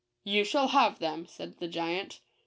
'' "You shall have them," said the giant.